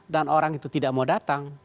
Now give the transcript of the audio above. dan orang itu tidak mau datang